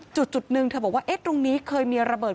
จุดหนึ่งเธอบอกว่าตรงนี้เคยมีระเบิด